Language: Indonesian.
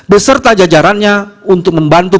beserta jajarannya untuk membantu